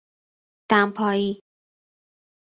دمپایی